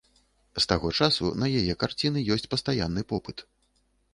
З таго часу на яе карціны ёсць пастаянны попыт.